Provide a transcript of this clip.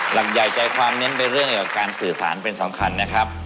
หลักใหญ่ใจความเน้นไปเรื่องเกี่ยวกับการสื่อสารเป็นสำคัญนะครับ